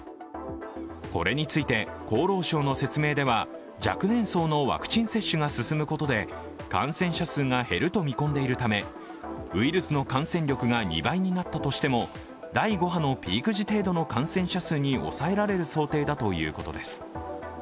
これについて厚労省の説明では若年層のワクチン接種が進むことで感染者数が減ると見込んでいるため、ウイルスの感染力が２倍になったとしても第５波のピーク時程度の感染者数に抑えられる想定だということです。